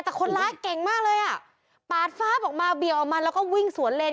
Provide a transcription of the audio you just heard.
แต่คนร้ายเก่งมากเลยอ่ะปาดฟ้าบออกมาเบี่ยงออกมาแล้วก็วิ่งสวนเลน